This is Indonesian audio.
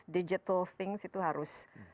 digital things itu harus